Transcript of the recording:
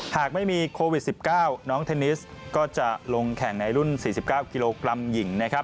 หากไม่มีโควิด๑๙น้องเทนนิสก็จะลงแข่งในรุ่น๔๙กิโลกรัมหญิงนะครับ